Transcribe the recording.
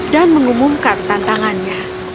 dan mengumumkan tantangannya